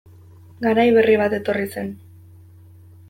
Garai berri bat etorri zen...